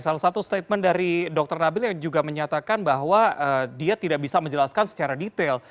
salah satu statement dari dr nabil yang juga menyatakan bahwa dia tidak bisa menjelaskan secara detail